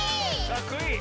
かっこいい！